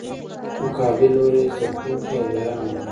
مقابل لوری ځپونکی او بې رحمه دی.